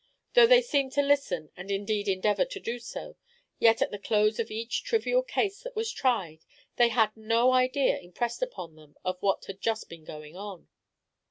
Though they seemed to listen, and indeed endeavoured to do so, yet at the close of each trivial case that was tried, they had no idea impressed upon them of what had just been going on.